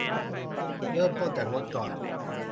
เริ่มต้นจากลดก่อน